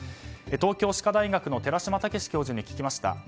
東京歯科大学の寺嶋毅教授に聞きました。